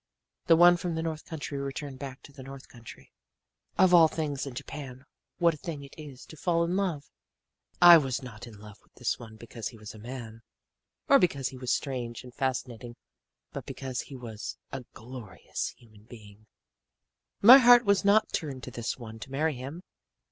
"The one from the north country returned back to the north country. "Of all things in Japan, what a thing it is to fall in love! "I was not in love with this one because he was a man, or because he was strange and fascinating but because he was a glorious human being. "My heart was not turned to this one to marry him.